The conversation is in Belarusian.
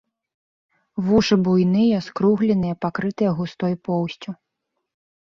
Вушы буйныя, скругленыя, пакрытыя густой поўсцю.